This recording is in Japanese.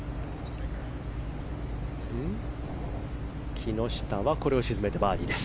木下はこれを沈めてバーディーです。